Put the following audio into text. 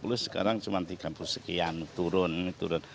ini sekarang cuma rp tiga puluh sekian turun